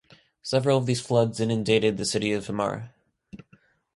Several of these floods inundated the city of Hamar.